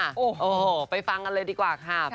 โอ้โหไปฟังกันเลยดีกว่าค่ะ